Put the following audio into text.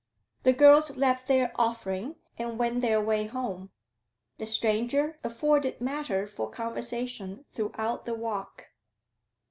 The girls left their offering, and went their way home; the stranger afforded matter for conversation throughout the walk.